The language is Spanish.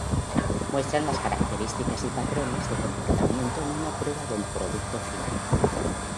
Muestran las características y patrones de comportamiento en una prueba del producto final.